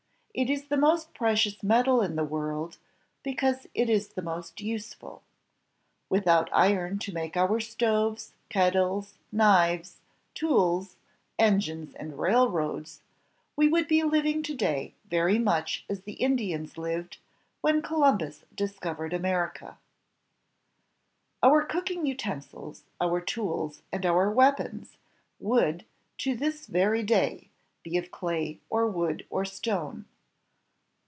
It is the most precious metal in the world, because it is the most useful. Without iron to make our stoves, kettles, knives, tools, engines, and railroads, we would be living to day very much as the Indians lived when Coluipbus discovered America. Our cooking utensils, our tools, and our weapons would, to this very day, be of clay or wood or stone.